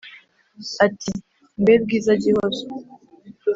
ati"mbe bwiza gihozo